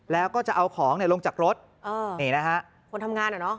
แล้วก็จะเอาของลงจากรถนี่นะฮะคนทำงานเหรอเนาะ